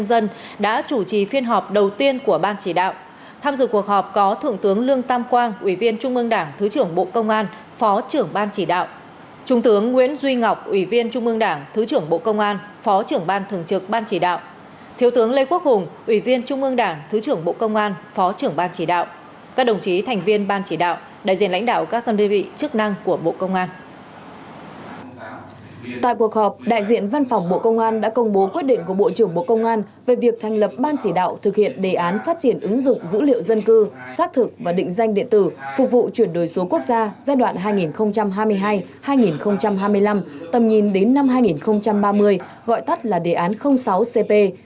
tại cuộc họp đại diện văn phòng bộ công an đã công bố quyết định của bộ trưởng bộ công an về việc thành lập ban chỉ đạo thực hiện đề án phát triển ứng dụng dữ liệu dân cư xác thực và định danh điện tử phục vụ chuyển đổi số quốc gia giai đoạn hai nghìn hai mươi hai hai nghìn hai mươi năm tầm nhìn đến năm hai nghìn ba mươi gọi tắt là đề án sáu cp